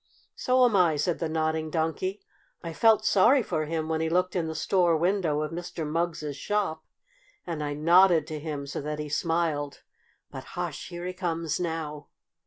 "So am I," said the Nodding Donkey. "I felt sorry for him when he looked in the store window of Mr. Mugg's shop, and I nodded to him so that he smiled. But hush! Here he comes now!"